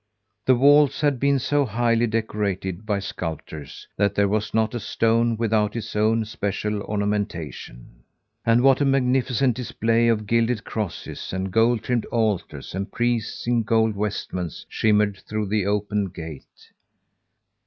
The walls had been so highly decorated by sculptors that there was not a stone without its own special ornamentation. And what a magnificent display of gilded crosses and gold trimmed altars and priests in golden vestments, shimmered through the open gate!